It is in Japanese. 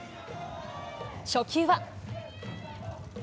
初球は。